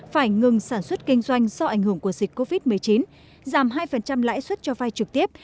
phải ngừng sản xuất kinh doanh do ảnh hưởng của dịch covid một mươi chín giảm hai lãi suất cho vai trực tiếp